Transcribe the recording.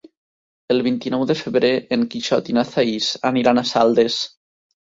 El vint-i-nou de febrer en Quixot i na Thaís aniran a Saldes.